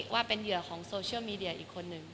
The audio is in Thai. ว่าเป็นเหยื่อของโซเชียลมีเดียอีกคนนึง